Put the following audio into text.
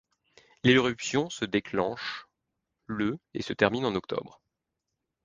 L'éruption se déclenche le et se termine en octobre.